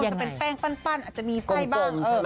ก็เป็นแป้งปั้นอาจจะมีไส้บ้าง